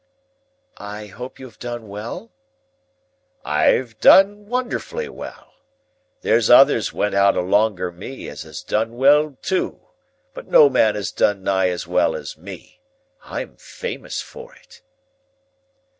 "I hope you have done well?" "I've done wonderfully well. There's others went out alonger me as has done well too, but no man has done nigh as well as me. I'm famous for it."